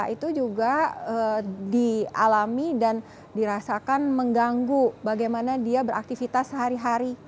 itu juga dialami dan dirasakan mengganggu bagaimana dia beraktivitas sehari hari